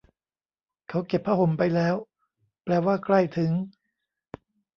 เขาเก็บผ้าห่มไปแล้ว แปลว่าใกล้ถึง ?